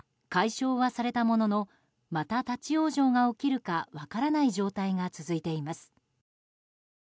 解消はされたもののまた立ち往生が起きるか分からない状態が続いています。